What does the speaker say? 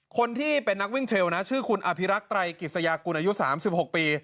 คนที่เป็นนักวิ่งเทรลนะชื่อคุณอภิรักษ์ไตรกิจยากุลอายุ๓๖ปี